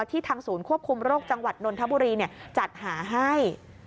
ทางศูนย์ควบคุมโรคจังหวัดนนทบุรีจัดหาให้